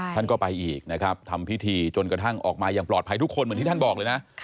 ท่านก็ไปอีกนะครับทำพิธีจนกระทั่งออกมาอย่างปลอดภัยทุกคนเหมือนที่ท่านบอกเลยนะ